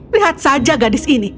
lihat saja gadis ini